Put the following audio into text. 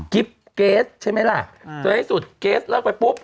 กิ๊บเกสใช่ไหมล่ะสุดท้ายเกสเลิกไปปุ๊บ